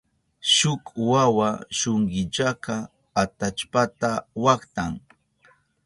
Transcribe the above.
Shuk wawa shunkillaka atallpata waktan.